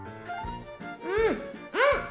うんうん！